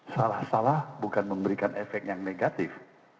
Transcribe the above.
salah salah bukan memberikan efek yang negatif